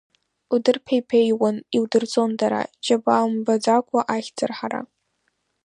Удырԥеи-ԥеиуан, иудырҵон дара, џьабаа мбаӡакәа ахьӡ арҳара!